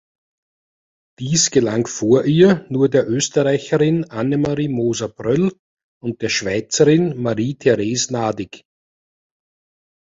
Dies gelang vor ihr nur der Österreicherin Annemarie Moser-Pröll und der Schweizerin Marie-Theres Nadig.